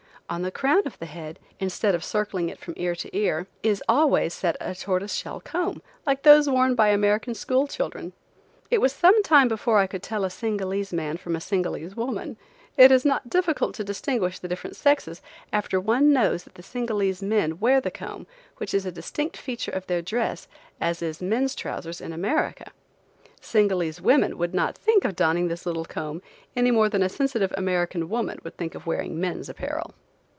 On the crown of the head, instead of circling it from ear to ear, is always set a tortoise shell comb, like those worn by American school children. It was some time before I could tell a Singalese man from a Singalese woman. It is not difficult to distinguish the different sexes after one knows that the Singalese men wear the comb, which is as distinct a feature of their dress as men's trousers in America. Singalese women would not think of donning this little comb any more than a sensitive American woman would think of wearing men's apparel.